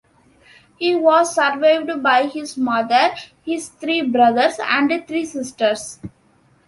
He was survived by his mother, his three brothers, and three sisters.